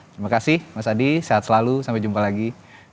terima kasih mas adi sehat selalu sampai jumpa lagi